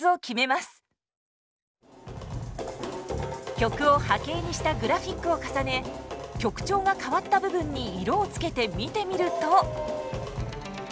曲を波形にしたグラフィックを重ね曲調が変わった部分に色をつけて見てみると。